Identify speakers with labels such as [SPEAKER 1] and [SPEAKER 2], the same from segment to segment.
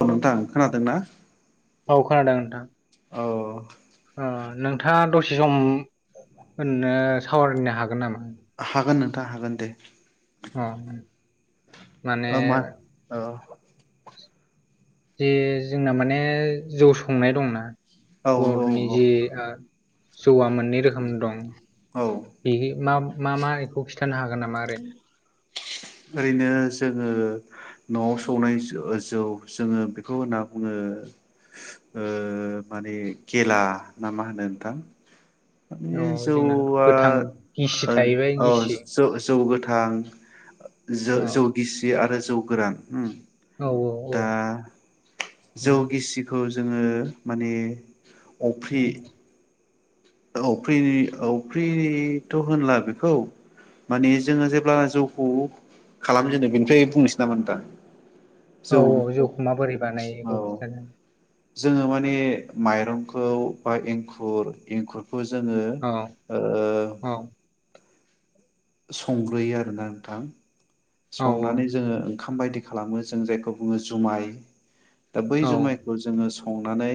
[SPEAKER 1] औ नोंथां खोनादोंना?
[SPEAKER 2] औ खोनादों नोंथां।
[SPEAKER 1] औ।
[SPEAKER 2] ओ नोंथाङा दसे सम होननो सावरायनो हागोन नामा?
[SPEAKER 1] हागोन नोंथां हागोन दे
[SPEAKER 2] अ माने
[SPEAKER 1] [inaudible] अ मा अ
[SPEAKER 2] जे जोंना माने जौ संनाय दंना
[SPEAKER 1] औ औ
[SPEAKER 2] बर'नि
[SPEAKER 1] औ
[SPEAKER 2] जे जौआ मोननै रोखोम दं
[SPEAKER 1] औ
[SPEAKER 2] बे मा मा मा बेखौ खिन्थानो हागोन नामा ओरैनो
[SPEAKER 1] ओरैनो जोंङो न'आव सौनाय जौ जोङो बेखौ होनना बुंङो
[SPEAKER 2] [inaudible]
[SPEAKER 1] ओ माने गेला ना मा होनो नोंथां?
[SPEAKER 2] औ
[SPEAKER 1] माने
[SPEAKER 2] जोंना
[SPEAKER 1] जौआ
[SPEAKER 2] गोथां गिसि थाहैबाय
[SPEAKER 1] औ
[SPEAKER 2] गिसि
[SPEAKER 1] ज-जौ गोथां ज
[SPEAKER 2] औ
[SPEAKER 1] जौगिसि आरो जौ गोरान
[SPEAKER 2] औ औ औ।
[SPEAKER 1] दा जौ
[SPEAKER 2] उम
[SPEAKER 1] गिसिखौ जोंङो माने अफ्रि
[SPEAKER 2] उम
[SPEAKER 1] औफ्रि औफ्रिनिथ होनला बेखौ माने जोंङो जेब्ला जौखौ खालामजेनो बेनिफ्राय बुंनोसै नामा नोंथां?
[SPEAKER 2] औ औ
[SPEAKER 1] जौखौ
[SPEAKER 2] माबोरै बानायो बेखौ
[SPEAKER 1] औ।
[SPEAKER 2] खिन्थानो
[SPEAKER 1] जोंङो माने माइरंखौ बा एंखुर एंखुर बे खौ जोंङो
[SPEAKER 2] औ
[SPEAKER 1] ओ
[SPEAKER 2] औ
[SPEAKER 1] संग्रोयो आरोना नोंथां
[SPEAKER 2] औ
[SPEAKER 1] संनानै
[SPEAKER 2] औ
[SPEAKER 1] जोंङो खाम बायदि खालामो जों जायखौ बुंङो जुमाइ ओ बै
[SPEAKER 2] औ
[SPEAKER 1] जुमाइखौ जोङो सं संनानै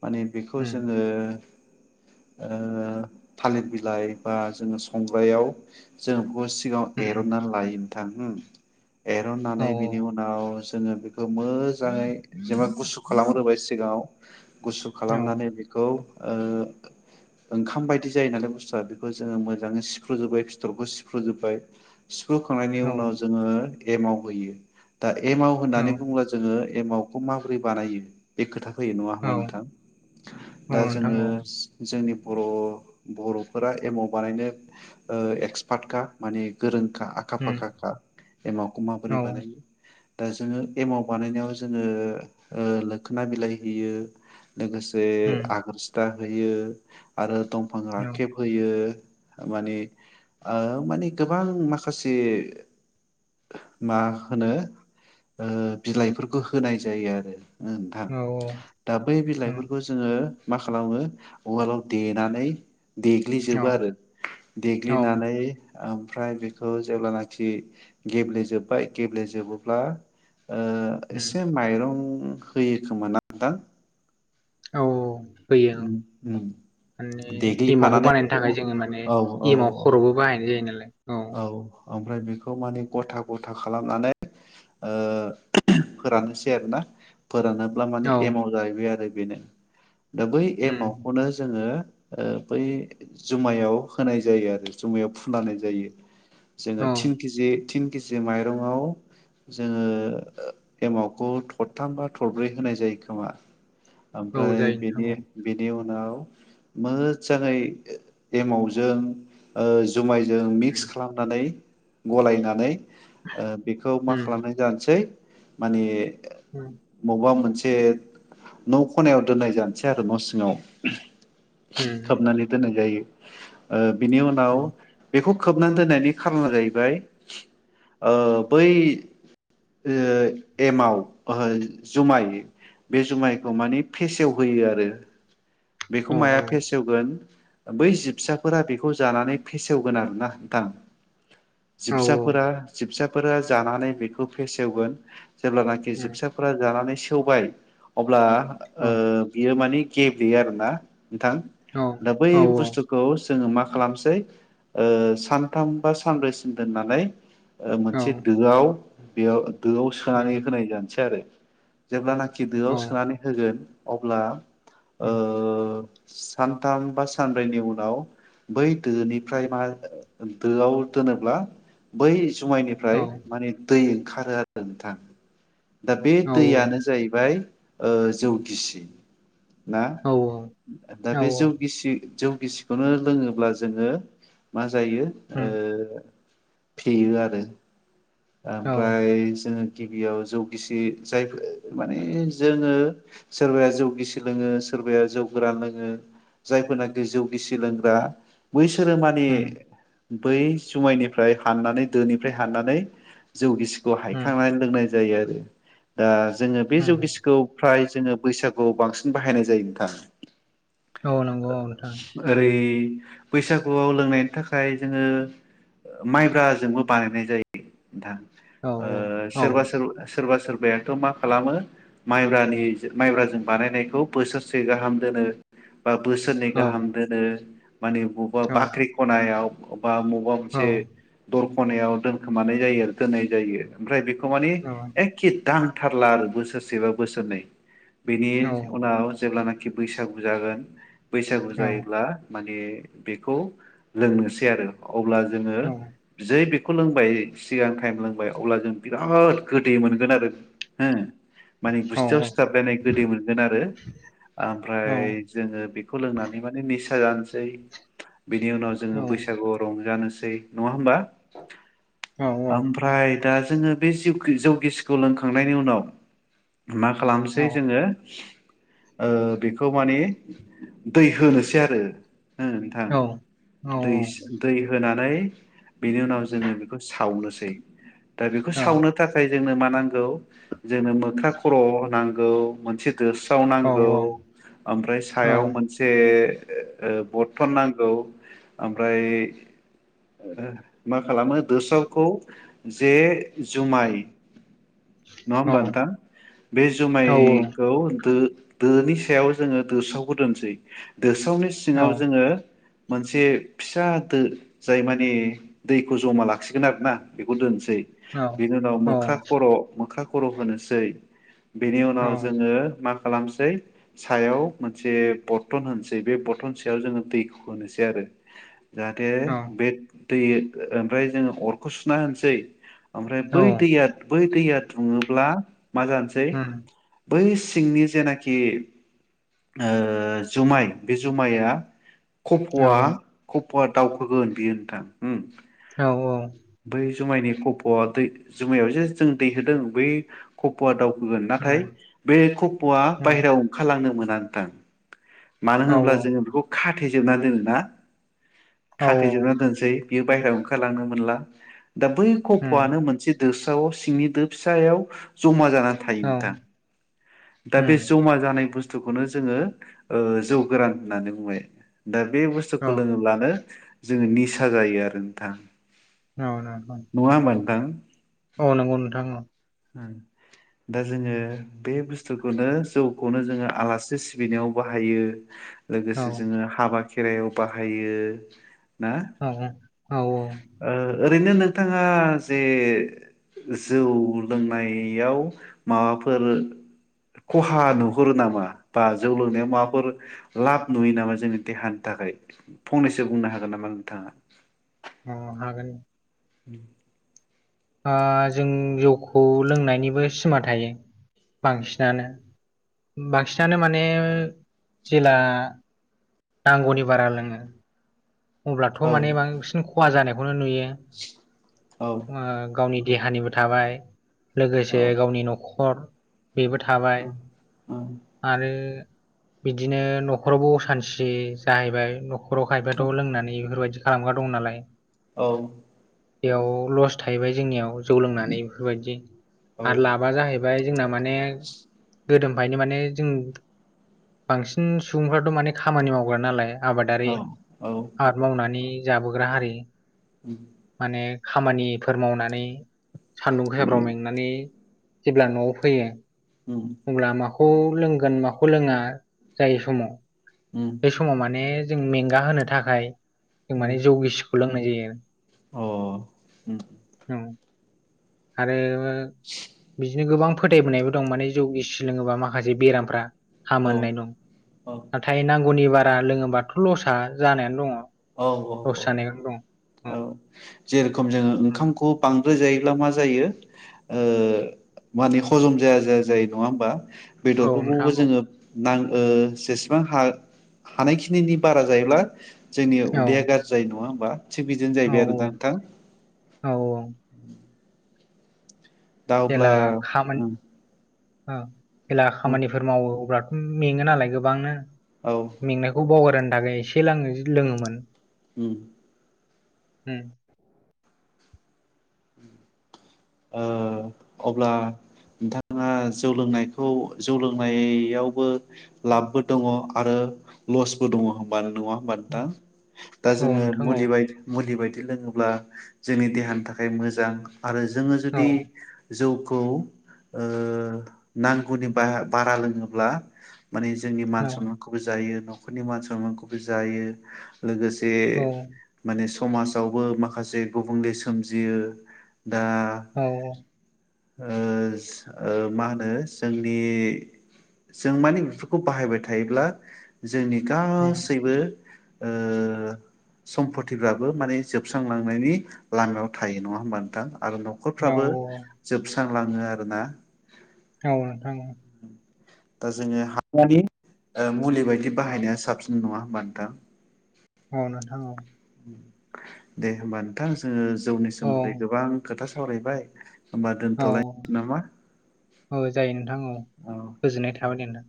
[SPEAKER 1] माने बेखौ
[SPEAKER 2] उम
[SPEAKER 1] जोंङो ओ थालिर बिलाइ बा जोङो संग्रायाव जोङो बेखौ सिगाङाव
[SPEAKER 2] उम
[SPEAKER 1] एरनानै लायो नोंथां
[SPEAKER 2] औ
[SPEAKER 1] एरननानै बिनि उनाव जोङो बि खौ मोजाङै जेनेबा गुसु खालामग्रोबाय सिगाङाव गुसु
[SPEAKER 2] औ
[SPEAKER 1] खालामनानै बिखौ ओ ओंखाम बायदि जायो नालाय बुस्थुआ बेखौ जोङो मोजाङै सिफ्रुजोबै फिथरखौ सिफ्रुजोबबाय सिफ्रु खांनायनि
[SPEAKER 2] औ
[SPEAKER 1] उनाव जोङो एम आव होयो दा एमाव
[SPEAKER 2] औ
[SPEAKER 1] होननानै बुङोब्ला जोङो एमावखौ माबोरै बानायो बे खोथाखौ होयो नङा
[SPEAKER 2] औ
[SPEAKER 1] होमबा नोंथां
[SPEAKER 2] औ
[SPEAKER 1] दा
[SPEAKER 2] नोंथां
[SPEAKER 1] जोङो
[SPEAKER 2] औ
[SPEAKER 1] जोंनि बर' बर'फोरा एमाव बानायनो ओ एक्सपार्ट खा माने गोरोंखा आखा
[SPEAKER 2] उम
[SPEAKER 1] फाखा खा एमाखौ माबोरै
[SPEAKER 2] औ
[SPEAKER 1] बानायो दा जोङो एमाव बानायनायाव जोङो ओ लोखोना बिलाइ होयो लोगोसे
[SPEAKER 2] उम
[SPEAKER 1] आगोर सिथा होयो आरो दंफां
[SPEAKER 2] औ
[SPEAKER 1] राखेब होयो ओ माने ओ माने गोबां माखासे मा होनो ओ बिलाइफोरखौ होनाय जायो आरो ओं नोंथां
[SPEAKER 2] औ औ
[SPEAKER 1] दा बै
[SPEAKER 2] उम
[SPEAKER 1] बिलाइफोरखौ जोङो मा खालामो उवालाव देनानै
[SPEAKER 2] औ
[SPEAKER 1] देग्लिजोबो आरो
[SPEAKER 2] औ
[SPEAKER 1] देग्लिनानै ओमफ्राय बेखौ जेब्लानाखि गेब्लेजोबबाय गेब्ले जबोब्ला ओ एसे माइरं होयोखोमा ना नोंथां?
[SPEAKER 2] औ औ
[SPEAKER 1] उम उम।
[SPEAKER 2] माने एमावखौ बानायनो थाखाय जोङो माने
[SPEAKER 1] औ औ
[SPEAKER 2] एमाव खर'बो बाहायनाय जायो नालाय
[SPEAKER 1] औ ओमफ्राय बेखौ माने गथा गथा खालामनानै ओ फोराननोसै आरोना फोरानोब्ला माने
[SPEAKER 2] औ
[SPEAKER 1] एमाव जाहैबाय आरो बेनो दा बै
[SPEAKER 2] उम
[SPEAKER 1] एमावखौनो जोङो ओ बै जुमायाव होनाय जायो आरो जुमायाव फुनानै जायो जोङो
[SPEAKER 2] औ
[SPEAKER 1] थिन केजि थिन केजि माइरंआव जोङो एमावखौ थरथामबा थरब्रै होनाय जायो खोमा
[SPEAKER 2] औ
[SPEAKER 1] ओमफ्राय
[SPEAKER 2] जायो नोंथां
[SPEAKER 1] बेनि
[SPEAKER 2] औ
[SPEAKER 1] बेनि उनाव नाव मोजाङै एमावजों ओ जुमाइजों
[SPEAKER 2] उम
[SPEAKER 1] मिक्स खालामनानै गलायनानै ओ बि
[SPEAKER 2] उम
[SPEAKER 1] खालामनाय जानसै मान
[SPEAKER 2] उम
[SPEAKER 1] बबेबा मोनसे से न' खनायाव दोननाय जानसै आरो न' सिङाव
[SPEAKER 2] उम
[SPEAKER 1] खोबनानै दोननाय जायो ओ बिनि उनाव
[SPEAKER 2] उम
[SPEAKER 1] बेखौ खोबनानै दोननायनि खारना जाहैबाय ओ बै ओ एमाव ओहो जुमाइ बे जुमाइखौ माने फेसेवहोयो आरो बेखौ
[SPEAKER 2] औ
[SPEAKER 1] माया फेसेवगोन बै जिबसाफोरा बेखौ जानानै फेसेवगोन आरोना नोंथां
[SPEAKER 2] औ
[SPEAKER 1] जिबसाफोरा जिबसाफोरा जानानै बेखौ फेसेवगोन जेब्लानाखि
[SPEAKER 2] उम
[SPEAKER 1] जिबसाफोरा जानानै सेवबाय अब्ला ओ
[SPEAKER 2] औ
[SPEAKER 1] बियो मानि [unintelligible] आरोना नोंथां
[SPEAKER 2] औ
[SPEAKER 1] दा बै
[SPEAKER 2] औ
[SPEAKER 1] बुस्थुखौ जोङो मा खालामसै ओ सानथाम बा सानब्रैसिम दोननानै ओ
[SPEAKER 2] औ
[SPEAKER 1] मोनसे दोआव बेयाव दोआव
[SPEAKER 2] उम
[SPEAKER 1] सोनानै होनाय जानसै आरो जेब्लाना खि दोआव
[SPEAKER 2] औ
[SPEAKER 1] सोनानै होगोन अब्ला ओ
[SPEAKER 2] उम
[SPEAKER 1] सानथाम बा सानब्रैनि उनाव बै दोनिफ्राय मा दोआव दोनोब्ला बै
[SPEAKER 2] औ
[SPEAKER 1] जुमाइनिफ्राय माने दै ओंखारो आरो नोंथां दा बे
[SPEAKER 2] औ
[SPEAKER 1] दैयानो जाहैबाय जौगिसि ना
[SPEAKER 2] औ
[SPEAKER 1] दा
[SPEAKER 2] औ
[SPEAKER 1] बे जौगिसि जौ गिसिखौनो लोङोब्ला जोङो मा जायो ओ
[SPEAKER 2] उम
[SPEAKER 1] फेयो आरो
[SPEAKER 2] औ
[SPEAKER 1] ओमफ्राय जोङो गिबियाव जौ गिसि जाय माने जोङो सोरबाया जौगिसि लोङो सोरबाया जौ गोरा लोङो जायफोरनाखि जौ गिसि लोंग्रा बै सोरो माने
[SPEAKER 2] उम
[SPEAKER 1] बै जुमायनिफ्राय हाननानै दोनिफ्राय हाननानै जौ गिसिखौ
[SPEAKER 2] उम
[SPEAKER 1] हायखांनानै लोंनाय जायो आरो दा जोङो बे
[SPEAKER 2] उम
[SPEAKER 1] जौगिसखौ फ्राय जोङो बैसागु बांसिन बाहायनाय जायो नोंथां
[SPEAKER 2] औ नंगौ औ नोंथां
[SPEAKER 1] [inaudible] ओरै बैसागुआव लोंनायनि थाखाय जोङो माइब्राजोंबो बानायनाय जायो नोंथां
[SPEAKER 2] औ
[SPEAKER 1] ओ
[SPEAKER 2] औ
[SPEAKER 1] सोरबा सोर सोरबा सोरबा बेहायनोथ' मा खालामो माइब्रानि माइब्राजों बानायनाय खौ बोसोरसे गाहाम दोनो बा बोसोरनै
[SPEAKER 2] औ
[SPEAKER 1] गाहाम दोनो माने बबेबा
[SPEAKER 2] औ
[SPEAKER 1] बाख्रि खनायाव बा मबा
[SPEAKER 2] औ
[SPEAKER 1] मोनसे दर खनायाव दोनखोमानाय जायो आरो दोननाय जायो ओमफ्राय बेखौ माने
[SPEAKER 2] औ
[SPEAKER 1] ए कित दांथारला आरो बोसोरसे बा बोसोरनै बेनि
[SPEAKER 2] औ
[SPEAKER 1] उनाव जेब्लाना खि बैसागु जागोन बैसागु जायोब्ला माने बेखौ लोंनोसै आरो अब्ला जोङो
[SPEAKER 2] औ
[SPEAKER 1] जै बे खौ लोंबाय सिगां टाइम लोंबाय अब्ला जों बिराद गोदै मोनगोन आरो हो माने
[SPEAKER 2] औ
[SPEAKER 1] गुस्थियाव स्थाबलायनाय गोदै मोन आरो
[SPEAKER 2] औ
[SPEAKER 1] आमफ्राय
[SPEAKER 2] उम
[SPEAKER 1] जोङो बेखौ लोंनानै माने निसा जानोसै बिनि उनाव जोङो बैसागुआव रंजानोसै नङा होमबा?
[SPEAKER 2] औ
[SPEAKER 1] [inaudible]
[SPEAKER 2] उम
[SPEAKER 1] आमफ्राय दा जोङो बे जिउ जौगिसिखौ लोंखांनायनि उनाव मा
[SPEAKER 2] औ
[SPEAKER 1] खालामसै जोङो ओ बेखौ माने दै होनोसै आरो ओ नोंथां दै दै होना फ्राय बेनि उनाव जोङो बेखौ सावनोसै दा बेखौ
[SPEAKER 2] औ
[SPEAKER 1] सावनो थाखाय जोंनो मा नांगौ जोंनो मोख्रा खर' नांगौ मोनसे दोस थाव
[SPEAKER 2] औ
[SPEAKER 1] नांगौ
[SPEAKER 2] उम
[SPEAKER 1] ओमफ्राय सायाव
[SPEAKER 2] औ
[SPEAKER 1] मोनसे ओ बरथन नांगौ ओमफ्राय मा खालामो दोस्रावखौ जे जुमाय नङा
[SPEAKER 2] उम औ
[SPEAKER 1] होमबा नोंथां? बे जुमाय दो दोनि सायाव जोङो दोसावखौ दोनसै दोस्रावनि सिङाव जोङो मोनसे फिसा दो जाय मानि दैखौ जमा लाखिगोन आरोना बेखौ दोन नि बेनि उनाव मोख्रा खर' मोख्रा खर' होनोसै बेनि उनाव जोङो मा खालासै सायाव मोनसे बरथन होनै बरथन सायाव जोङो दैखौ सै आरो जाहाथे बे दै ओमफ्राय जोङो अरखौ सुना होनसै ओमफ्राय बै दैया बै दैया थुङोब्ला मा जानोसै बै सिंनि जेनाखि ओ जुमाय बे जुमाया कफ'आ खफ'आ दावउखोगोन बियो नोंथां उम।
[SPEAKER 2] औ औ
[SPEAKER 1] बै जुमायनि खफ'आ दै जुमायाव जे जों दैहोदों बै खफ'आ दाउ खोगोन नाथाय बे खफ'आ बायेरायाव ओंखारलांनो मोना नोंथां। मानो होनोब्ला जोङो बेखौ खाथेजोबना दोनोना। खाथेजोबना दोनसै बियो बायहेरायाव ओंखारलांनो मोनला। दा बै खफ'आनो मोनसे दोस्राव सिंनि दो फिसायाव जमा जाना थायो‌ नोंथां दा बे जमा जानाय बुस बुस्थुखौनो जोङो जौ गोरान होननानै बुंबाय दा बे बुस्थुखौ लोङोब्लानो जोङो निसा जायो आरो नोंथां।
[SPEAKER 2] औ नोंथां।
[SPEAKER 1] ह [inaudible]
[SPEAKER 2] नंगौ औ
[SPEAKER 1] दा जोङो बे बुस्थु बुस्थुखौनो जौखौनो जोङो आलासि सिबिनायाव बाहायो लोगोसे जोङो हाबा खेरायाव बाहायो। ना
[SPEAKER 2] औ औ औ।
[SPEAKER 1] ओ ओरैनो नोंथाङा जे। जौ लोंनायाव माबाफोर खहा नुहुरो नामा बा जौ लोंनायाव माबाफोर लाब नुयो नामा जोंनि देहानि थाखाय। फंनैसो बुंनो हागोन नामा नोंथाङा।
[SPEAKER 2] अ हागोन।
[SPEAKER 1] उम।
[SPEAKER 2] जों जौखौ लोंनायनिबो सिमा थायो। बांसिनानो बांसिनानो माने जेब्ला नांगौनि बारा लोङो। अब्लाथ'
[SPEAKER 1] औ
[SPEAKER 2] माने बांसिन खहा जानायखौनो नुयो
[SPEAKER 1] औ
[SPEAKER 2] गावनि देहानिबो थाबाय
[SPEAKER 1] औ
[SPEAKER 2] लोगोसे गावनि न'खर बेबो थाबाय
[SPEAKER 1] उम
[SPEAKER 2] आरो। बिदिनो न'खरावबो असान्थि जाहैबाय न'खराव खायफाथ' लोंनानै बेफोर बायदि। खालामग्रा दं नालाय।
[SPEAKER 1] औ।
[SPEAKER 2] बेयाव लस थाहैबाय जोंनियाव। जौ लोंनानै बेफोर बायदि आरो
[SPEAKER 1] औ
[SPEAKER 2] लाबा जाहैबाय जोंना माने गोदोनिफ्रायनो माने जों बांसिन सुबुंफ्राथ माने खामानि मावग्रा नालाय। आबादारि
[SPEAKER 1] औ
[SPEAKER 2] आबाद मावनानै जाबोग्रा हारि
[SPEAKER 1] उम
[SPEAKER 2] माने खामानिफोर मावनानै सान्दुं गोसाफ्राव मेंनानै जेब्ला न'आव फैयो
[SPEAKER 1] उम
[SPEAKER 2] अब्ला माखौ माखौ लोंगोन माखौ लोङा जायो समाव बे समाव माने। जों मेंगा होनो थाखाय जों
[SPEAKER 1] उम उम
[SPEAKER 2] माने जौ गिसिखौ लोंनाय जायो आरो।
[SPEAKER 1] अ।
[SPEAKER 2] आरो बिदिनो गोबां । फोथायबोनायबो दं माने जौ गिसि लोङोबा माखासे बेरामफ्रा। हामो
[SPEAKER 1] औ
[SPEAKER 2] होननाय दं नाथाय नांगौनि बारा लोङोबाथ' लस जानायानो दङ।
[SPEAKER 1] औ औ
[SPEAKER 2] लस
[SPEAKER 1] औ।
[SPEAKER 2] जानायखौनो
[SPEAKER 1] औ
[SPEAKER 2] दं
[SPEAKER 1] जे रखम जोङो
[SPEAKER 2] औ
[SPEAKER 1] ओंखामखौ बांद्राय जायोब्ला मा जायो। माने हजम जाया जाया जायो नङा होमबा।
[SPEAKER 2] औ
[SPEAKER 1] बेदरफोरखौबो
[SPEAKER 2] नोंथां औ
[SPEAKER 1] जोङो नां जेसेबां हा हानायखिनिनि बारा जायोब्ला। जोंनि
[SPEAKER 2] औ
[SPEAKER 1] उदैया गाज्रि जायो नङा होमबा थिग बिदिनो
[SPEAKER 2] औ
[SPEAKER 1] जाहैबाय आरो दा नोंथां।
[SPEAKER 2] औ
[SPEAKER 1] दा
[SPEAKER 2] जेला
[SPEAKER 1] अब्ला
[SPEAKER 2] खामानि
[SPEAKER 1] उम
[SPEAKER 2] जेला
[SPEAKER 1] उम
[SPEAKER 2] खामानिफोर मावो अब्लाथ' मेङो नालाय गोबांनो
[SPEAKER 1] औ
[SPEAKER 2] मेंनायखौ बावगारनो थाखाय एसे लोङो लोङोमोन।
[SPEAKER 1] उम।
[SPEAKER 2] उम।
[SPEAKER 1] ओं अब्ला। नोंथाङा जौ लोंनायखौ जौ लोंनायावबो लाबबो दङ आरो। लसबो दं नङा होनबा
[SPEAKER 2] औ
[SPEAKER 1] नोंथां दा
[SPEAKER 2] औ
[SPEAKER 1] जोङो
[SPEAKER 2] नोंथां औ
[SPEAKER 1] मुलि बायदि लोङोब्ला जोंनि देहानि थाखाय मोजां आरो जोङो
[SPEAKER 2] औ
[SPEAKER 1] जुदि जौ। गौ ओ नांगौनि बा बारा लोङोब्ला माने जोंनि मान
[SPEAKER 2] औ
[SPEAKER 1] सनमानखौबो जायो न'खरनि मान सनमानखौबो जायो लोगोसे
[SPEAKER 2] औ
[SPEAKER 1] माने समाजावबो माखासे गुबुंले सोमजियो
[SPEAKER 2] औ औ
[SPEAKER 1] ओस ओ मा होनो जोंनि जों मानि बेफोरखौ बाहायबाय थायोब्ला जोंनि
[SPEAKER 2] उम
[SPEAKER 1] गासैबो ओ सम्पतिफ्राबो माने जोबस्रांलांनायनि लामायाव थायो नङा होमबा नोंथां आरो
[SPEAKER 2] औ
[SPEAKER 1] न'खरफ्राबो जोबस्रांलाङो आरोना
[SPEAKER 2] औ नोंथां औ
[SPEAKER 1] दा जोङो ओ मुलि बायदि
[SPEAKER 2] औ
[SPEAKER 1] बाहायनाया साबसिन नङा होमबा नोंथां
[SPEAKER 2] औ नोंथां औ
[SPEAKER 1] दे होमबा नोंथां जोङो जौनि
[SPEAKER 2] औ
[SPEAKER 1] सोमोन्दै गोबां खोथा सावरायबाय होमबा
[SPEAKER 2] औ
[SPEAKER 1] दोनथ'लायनो नामा
[SPEAKER 2] औ जायो नोंथां औ गोजोननाय थाबाय दे नोंथां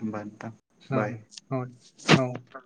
[SPEAKER 1] होनबा नोंथां बाय
[SPEAKER 2] औ औ
[SPEAKER 1] बाय